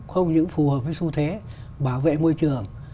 không những phù hợp với xu thế bảo vệ môi trường